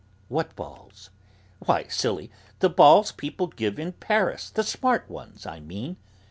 "What balls?" "Why, silly, the balls people give in Paris; the smart ones, I mean.